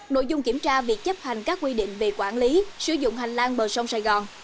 nội dung kiểm tra việc chấp hành các quy định về quản lý sử dụng hành lang bờ sông sài gòn